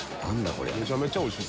めちゃめちゃおいしい！